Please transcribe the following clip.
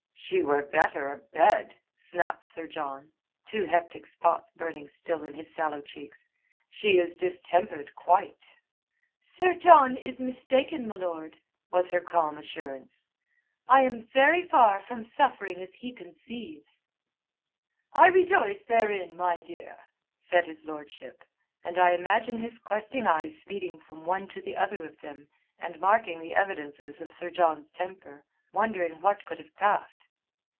"She were better abed," snapped Sir John, two hectic spots burning still in his sallow cheeks. "She is distempered, quite." "Sir John is mistaken, my lord," was her calm assurance, "I am very far from suffering as he conceives." "I rejoice therein, my dear," said his lordship, and I imagine his questing eyes speeding from one to the other of them, and marking the evidences of Sir John's temper, wondering what could have passed.